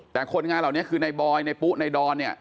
แต่คนงานเหล่านี้คือในบอยในปุ๊ในดอนเนี่ย